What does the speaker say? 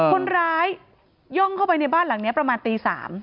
ย่องเข้าไปในบ้านหลังนี้ประมาณตี๓